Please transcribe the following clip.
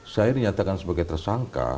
saya dinyatakan sebagai tersangka